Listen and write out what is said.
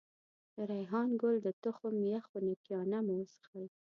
د ریحان ګل د تخم یخ خنکيانه مو وڅښل.